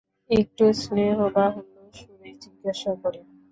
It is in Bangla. একটু স্নেহব্যাকুল সুরেই জিজ্ঞাসা করে।